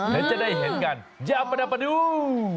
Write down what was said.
และจะได้เห็นกันยับดับดู